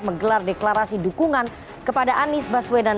menggelar deklarasi dukungan kepada anies baswedan